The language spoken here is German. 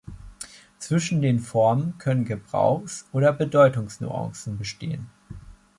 Zwischen den Formen können Gebrauchs- oder Bedeutungsnuancen bestehen.